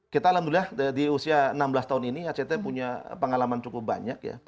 kita alhamdulillah di usia enam belas tahun ini act punya pengalaman cukup banyak ya